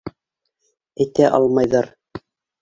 Әйтә алмайҙар.